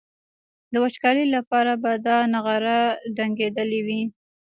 د وچکالۍ لپاره به دا نغاره ډنګېدلي وي.